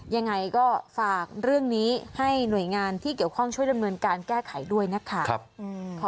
ยังไงก็ฝากเรื่องนี้ให้หน่วยงานที่เกี่ยวข้องช่วยดำเนินการแก้ไขด้วยนะคะ